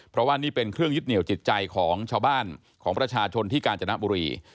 เพราะว่านี่เป็นเครื่องยึดเหนียวจิตใจของชาวบ้านของประชาชนที่กาญจนบุรี